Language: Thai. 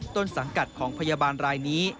ต้นสังกัดของพยาบาลรายนี้